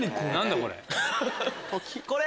これ。